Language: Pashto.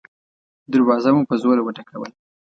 دروازه مو په زوره وټکوله.